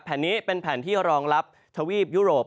แผ่นนี้เป็นแผ่นที่รองรับทวีปยุโรป